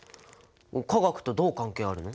化学とどう関係あるの？